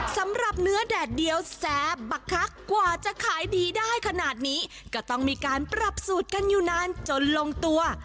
สำหรับเนื้อแดดเดียวแซ่บบักคักกว่าจะขายดีได้ขนาดนี้ก็ต้องมีการปรับสูตรกันอยู่นานจนลงตัว